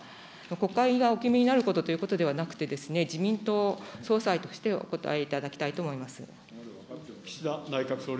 国会がお決めになるということではなくて、自民党総裁としてお答えいただきたいと思います。